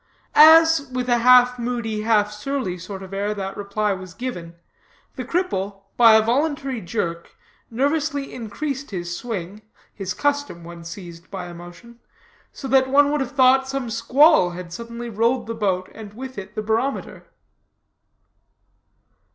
As, with a half moody, half surly sort of air that reply was given, the cripple, by a voluntary jerk, nervously increased his swing (his custom when seized by emotion), so that one would have thought some squall had suddenly rolled the boat and with it the barometer.